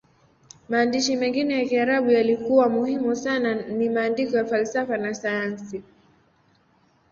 Maandishi mengine ya Kiarabu yaliyokuwa muhimu sana ni maandiko ya falsafa na sayansi.